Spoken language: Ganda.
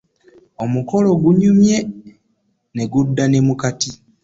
Omukolo gunyumye ne gudda ne mu kati.